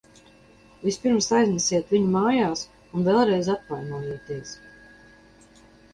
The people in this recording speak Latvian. Vispirms aiznesiet viņu mājās un vēlreiz atvainojieties!